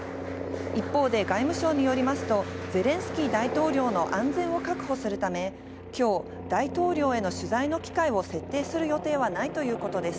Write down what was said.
一方で外務省によりますと、ゼレンスキー大統領の安全を確保するため、きょう大統領への取材の機会を設定する予定はないということです。